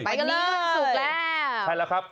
ปะกี้สุกแล้ว